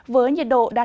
với nhiệt độ đạt